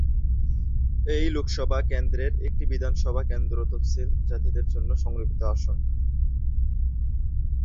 এই লোকসভা কেন্দ্রের একটি বিধানসভা কেন্দ্র তফসিলী জাতিদের জন্য সংরক্ষিত আসন।